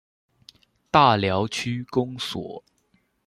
大寮区公所